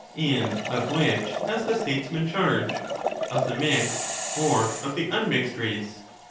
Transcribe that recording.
And of which has the Statesman charge, — of the mixed or of the unmixed race